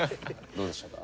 どうでしたか？